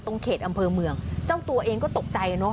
เขตอำเภอเมืองเจ้าตัวเองก็ตกใจเนอะ